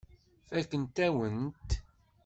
Fakkent-awen-t.